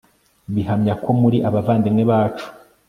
bihamya ko muri abavandimwe bacu